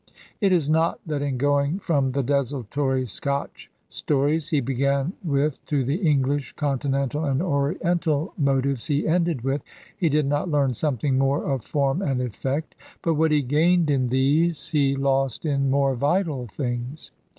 It is not that in going from the desultory Scotch stories he began with to the English, Continental, and Oriental motives he ended with, he did not learn something more of form and effect. But what he gained in these, he lost in more vital things.